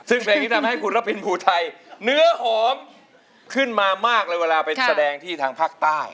ซึ่งเพลงที่ทำให้คุณระพินภูไทยเนื้อหอมขึ้นมามากเลยเวลาไปแสดงที่ทางภาคใต้